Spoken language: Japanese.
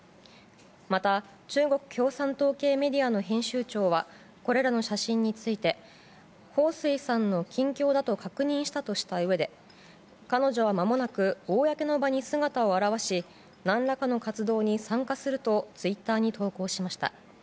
また、中国共産党系メディアの編集長はこれらの写真についてホウ・スイさんの近況だと確認したとしたうえで彼女は、まもなく公の場に姿を現し何らかの活動に参加するとツイッターに投稿しました。